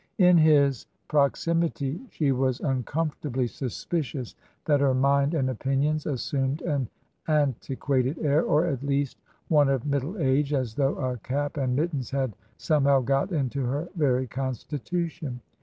In his prox imity she was uncomfortably suspicious that her mind and opinions assumed an antiquated air — or, at least, one \ TRANSITION. 175 of middle age — as though a cap and mittens had some how got into her very constitution.